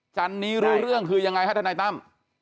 จันนี้รู้เรื่องคือยังไงฮะทนายตั้ม